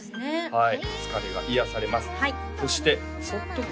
はい